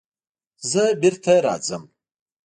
زه بېرته راځم.